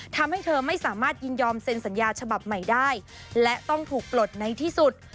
ทำให้เธอไม่สามารถยินยอมเซ็นสัญญาฉบับใหม่ได้และต้องถูกปลดในที่สุด